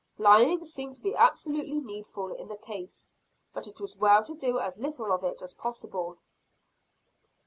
Lying seemed to be absolutely needful in the case; but it was well to do as little of it as possible.